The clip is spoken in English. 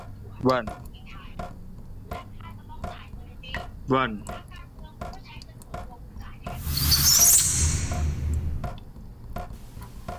He was the producer on Daniel Boone's charting single "Beautiful Sunday".